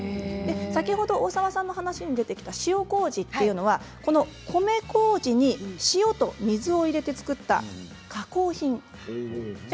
先ほど大沢さんのお話出てきた塩こうじというのはこの米こうじに塩と水を入れて作った加工品なんです。